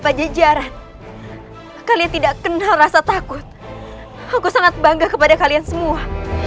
pajajaran kalian tidak kenal rasa takut aku sangat bangga kepada kalian semua